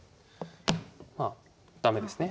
まあ駄目ですね。